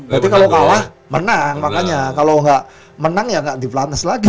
tapi kalau kalah menang makanya kalau gak menang ya gak di platnas lagi